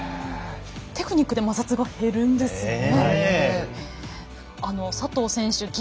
テクニックで摩擦が減るんですね。